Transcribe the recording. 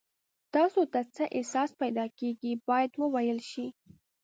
تاسو ته څه احساس پیدا کیږي باید وویل شي.